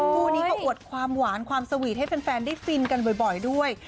คู่นี้เขาอวดความหวานความสวีทให้แฟนได้ฟินกันบ่อยด้วย